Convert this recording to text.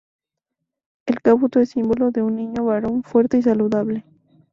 El "kabuto" es símbolo de un niño varón fuerte y saludable.